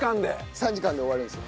３時間で終わるんですよ。